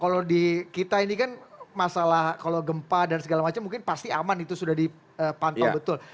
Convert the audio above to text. kalau di kita ini kan masalah kalau gempa dan segala macam mungkin pasti aman itu sudah dipantau betul